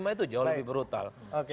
lima puluh lima itu jauh lebih brutal